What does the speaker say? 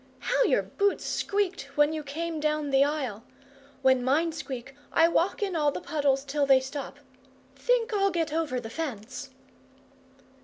"How your boots squeaked when you came down the aisle! When mine squeak, I walk in all the puddles till they stop. Think I'll get over the fence."